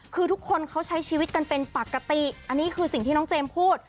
คือทุกคนเขาใช้ชีวิตกันเป็นปกติอันนี้คือสิ่งที่น้องเจมส์พูด